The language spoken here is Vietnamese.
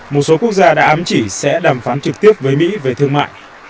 một số quốc gia đã ám chỉ sẽ đàm phán trực tiếp với mỹ về thương mại